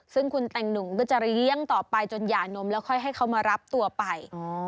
ซึ่งคุณแต่งหนุ่มก็จะเลี้ยงต่อไปจนหย่านมแล้วค่อยให้เขามารับตัวไป